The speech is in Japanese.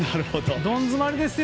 どん詰まりですよ。